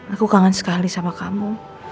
aku kangen sekali sama kamu